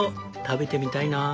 食べてみたいなぁ。